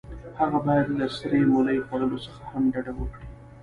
هغه باید له سرې مولۍ خوړلو څخه هم ډډه وکړي.